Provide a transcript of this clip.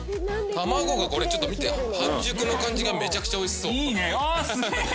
卵がこれちょっと見て半熟の感じがめちゃくちゃおいしそういいねあっすげえ！